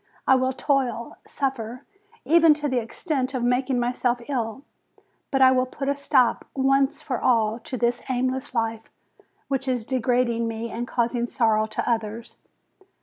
I will toil, suffer, even to the extent of making myself ill; but I will put a stop, once for all, to this aimless life, which is degrading me and causing sorrow to others.